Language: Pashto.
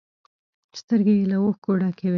سترگې يې له اوښکو ډکې وې.